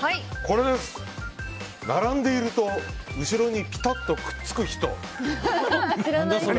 並んでいると後ろにぴたっとくっつく人。